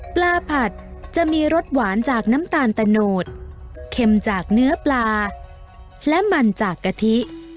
ผัดจะมีรสหวานจากน้ำตาลตะโนดเค็มจากเนื้อปลาและมันจากกะทิ